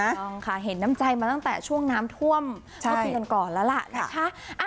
ต้องค่ะเห็นน้ำใจมาตั้งแต่ช่วงน้ำท่วมเมื่อปีกันก่อนแล้วล่ะนะคะ